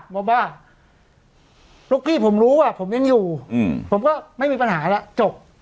บอกว่าลูกพี่ผมรู้ว่าผมยังอยู่ผมก็ไม่มีปัญหาแล้วจบ